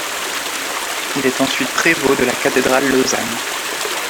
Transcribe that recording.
Il est ensuite prévôt de la cathédrale Lausanne.